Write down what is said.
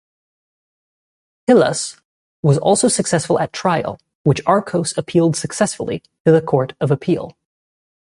Hillas was successful at trial, which Arcos appealed successfully to the Court of Appeal.